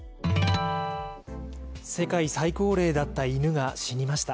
世界最高齢だった犬が死にました。